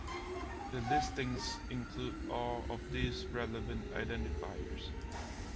The listings include all of these relevant identifiers.